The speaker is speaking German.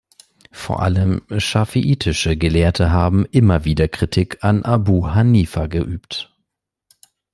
Vor allem schafiitische Gelehrte haben immer wieder Kritik an Abū Hanīfa geübt.